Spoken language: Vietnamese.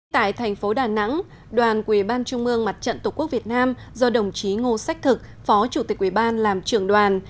tại thành phố đà nẵng đoàn ủy ban trung ương mặt trận tổ quốc việt nam do đồng chí ngô sách thực phó chủ tịch ủy ban làm trưởng đoàn